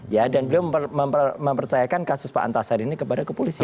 ya dan beliau mempercayakan kasus pak antasari ini kepada kepolisian